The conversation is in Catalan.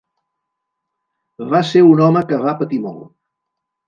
Va ser un home que va patir molt.